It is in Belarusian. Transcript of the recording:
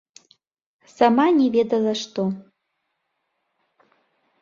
Сама не ведала што.